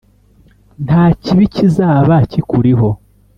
nta kibi kizaba kikuriho.